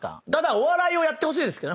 お笑いをやってほしいですけどね。